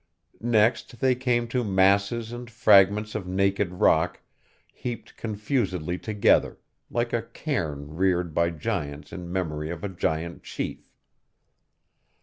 Next, they came to masses and fragments of naked rock heaped confusedly together, like a cairn reared by giants in memory of a giant chief.